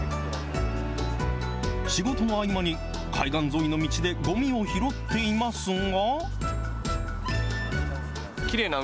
仕事の合間に、海岸沿いの道でごみを拾っていますが。